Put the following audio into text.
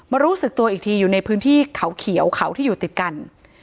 รู้สึกตัวอีกทีอยู่ในพื้นที่เขาเขียวเขาที่อยู่ติดกัน